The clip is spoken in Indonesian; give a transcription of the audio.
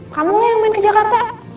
kangen lah yang main ke jakarta